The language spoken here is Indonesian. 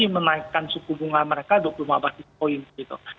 menaikkan suku bunga mereka dua puluh lima basis point gitu